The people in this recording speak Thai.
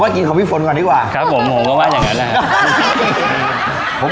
ผมก็กินของพี่ฝนก่อนดีกว่าครับผมก็ว่าอย่างนั้นนะครับ